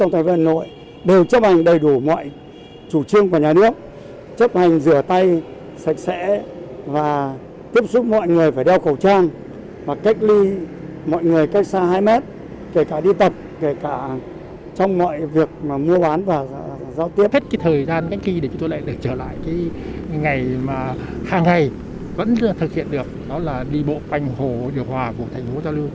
thời gian kết kỳ để chúng tôi lại được trở lại ngày mà hàng ngày vẫn thực hiện được đó là đi bộ quanh hồ điều hòa của thành phố giao lưu